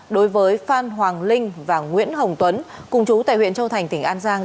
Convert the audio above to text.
đối với phan hoàng linh và nguyễn hồng tuấn cùng chú tại huyện châu thành tỉnh an giang